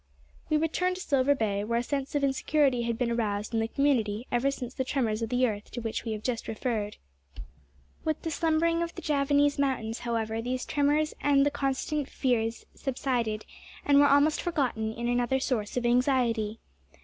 We return to Silver Bay, where a sense of insecurity had been aroused in the community, ever since the tremors of the earth, to which we have just referred. With the slumbering of the Javanese mountains, however, these tremors and the consequent fears subsided, and were almost forgotten in another source of anxiety.